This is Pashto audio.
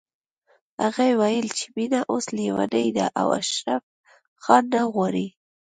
هغې ويل چې مينه اوس ليونۍ ده او اشرف خان نه غواړي